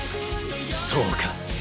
そうか。